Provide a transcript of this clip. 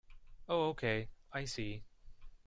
Oh okay, I see.